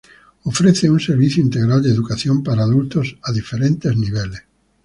Ofrece un servicio integral de educación para adultos a diferentes niveles.